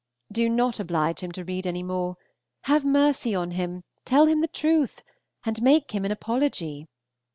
Do not oblige him to read any more. Have mercy on him, tell him the truth, and make him an apology.